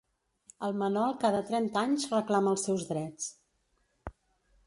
El Manol cada trenta anys reclama els seus drets.